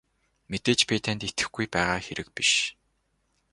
Мэдээж би танд итгэхгүй байгаа хэрэг биш.